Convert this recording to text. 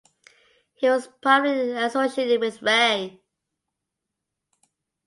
He was primarily associated with Ray.